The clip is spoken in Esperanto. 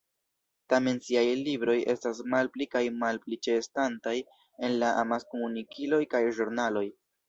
Tamen siaj libroj estas malpli kaj malpli ĉeestantaj en la amaskomunikiloj kaj ĵurnaloj.